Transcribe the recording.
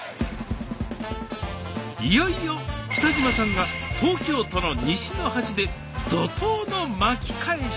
いよいよ北島さんが東京都の西の端で怒涛の巻き返し！